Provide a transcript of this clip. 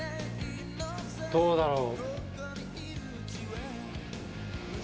どうだろう。